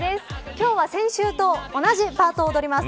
今日は先週と同じパートを踊ります。